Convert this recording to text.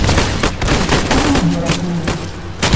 Yefcel unezraf-nni.